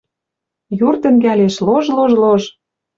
Юр тӹнгӓлеш лож-лож-лож.